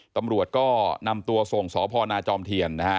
ตำรวจก็นำตัวส่งสพนาจอมเทียนนะฮะ